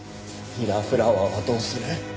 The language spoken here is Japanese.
フィラーフラワーはどうする？